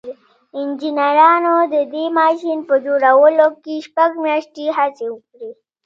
انجنيرانو د دې ماشين په جوړولو کې شپږ مياشتې هڅې وکړې.